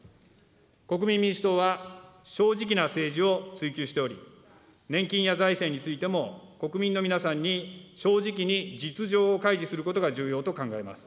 国民民主党は正直な政治を追求しており、年金や財政についても国民の皆さんに正直に実情を開示することが重要と考えます。